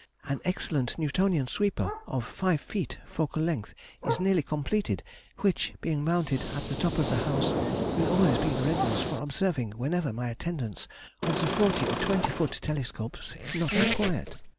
An excellent Newtonian sweeper, of five feet focal length, is nearly completed, which, being mounted at the top of the house, will always be in readiness for observing whenever my attendance on the forty or twenty foot telescopes is not required.